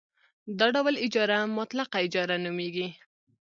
دا ډول اجاره مطلقه اجاره نومېږي